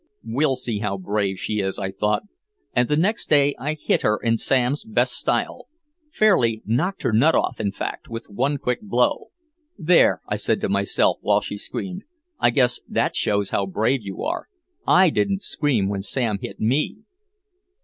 "We'll see how brave she is," I thought, and the next day I hit her in Sam's best style, fairly "knocked her nut off," in fact, with one quick blow. "There," I said to myself while she screamed. "I guess that shows how brave you are. I didn't scream when Sam hit me."